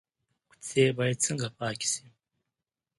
کوڅې باید څنګه پاکې شي؟